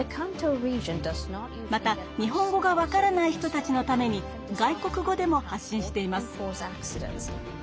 また日本語が分からない人たちのために外国語でも発信しています。